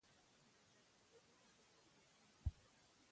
د نجات کولو امر ورته کېږي